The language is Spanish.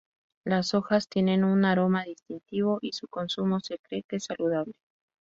Las hojas tienen un aroma distintivo y su consumo se cree que es saludable.